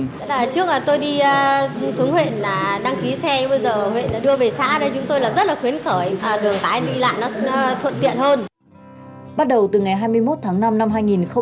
trước tôi đi xuống huyện là đăng ký xe bây giờ huyện đưa về xã đây chúng tôi là rất là khuyến khởi đường tái đi lại nó thuận tiện hơn